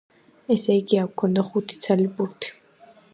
ესე იგი, აქ გვქონია ხუთი ცალი ბურთი.